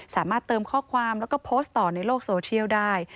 สามารถเติมข้อความแล้วก็โพสต์ต่อในโลกโซเชียลได้